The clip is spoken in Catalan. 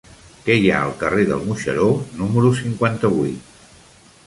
Què hi ha al carrer del Moixeró número cinquanta-vuit?